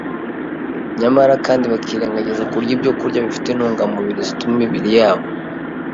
nyamara kandi bakirengagiza kurya ibyokurya bifite intungamubiri zituma imibiri yabo